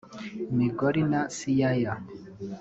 Migori na Siaya